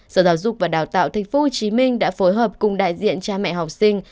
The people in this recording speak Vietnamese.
sở giáo dục và đào tạo tp hcm đã phối hợp cùng đại diện cha mẹ học sinh